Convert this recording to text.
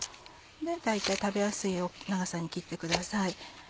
大体食べやすい長さに切ってください。